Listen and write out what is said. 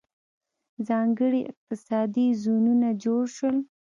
ځانګړي اقتصادي زونونه جوړ شول.